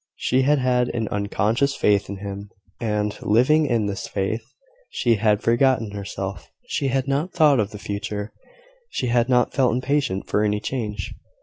She had had an unconscious faith in him; and, living in this faith, she had forgotten herself, she had not thought of the future, she had not felt impatient for any change.